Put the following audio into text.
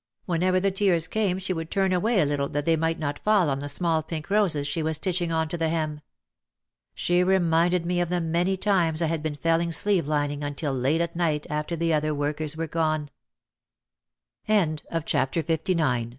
When ever the tears came she would turn away a little that they might not fall on the small pink roses she was stitch ing on to the hem. She reminded me of the many times I had been felling sleeve lining until late at night after the oth